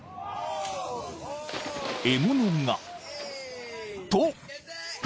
［獲物が。と］